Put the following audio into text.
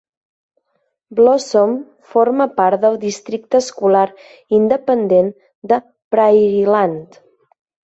Blossom forma part del districte escolar independent de Prairiland.